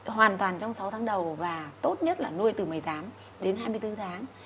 hoàn toàn trong sáu tháng đầu và tốt nhất là nuôi từ một mươi tám đến hai mươi bốn tháng